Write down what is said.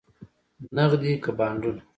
نغدې که بانډونه؟